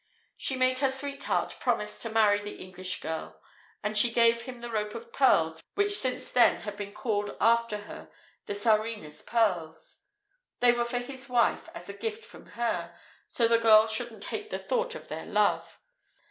She made her sweetheart promise to marry the English girl, and she gave him the rope of pearls which since then have been called after her the 'Tsarina's pearls.' They were for his wife, as a gift from her, so the girl shouldn't hate the thought of their love."